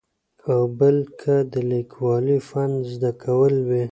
او بل که د لیکوالۍ فن زده کول وي.